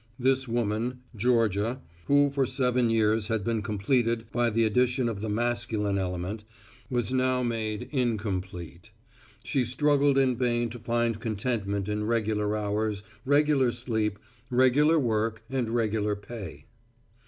This woman, Georgia, who for seven years had been completed by the addition of the masculine element, was now made incomplete. She struggled in vain to find contentment in regular hours, regular sleep, regular work and regular pay.